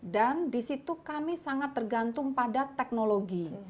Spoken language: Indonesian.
dan di situ kami sangat tergantung pada teknologi